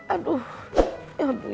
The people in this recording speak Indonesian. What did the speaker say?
aduh ya allah